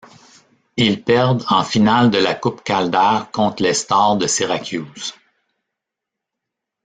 Ils perdent en finale de la Coupe Calder contre les Stars de Syracuse.